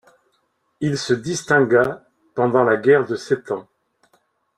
Il se distingua pendant la guerre de Sept Ans.